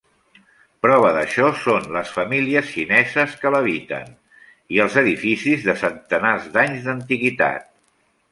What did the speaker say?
Prova d'això són les famílies xineses que l'habiten i els edificis de centenars d'anys d'antiguitat.